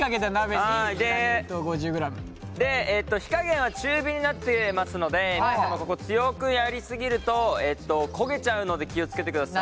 で火加減は中火になってますのでここ強くやり過ぎると焦げちゃうので気を付けてください。